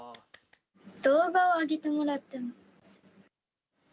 動画を上げてもらってます。